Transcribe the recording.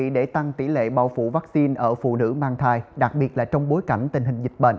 để tăng tỷ lệ bao phủ vaccine ở phụ nữ mang thai đặc biệt là trong bối cảnh tình hình dịch bệnh